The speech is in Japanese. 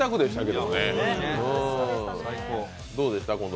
どうでしたか？